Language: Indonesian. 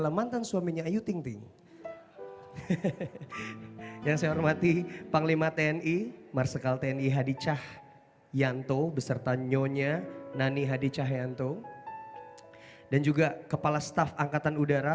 lihat tak menunggumu datang menjemputmu pulang ingat